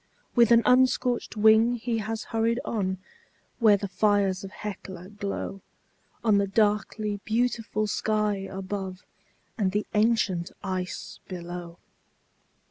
With an unscorched wing he has hurried on, where the fires of Hecla glow On the darkly beautiful sky above and the ancient ice below.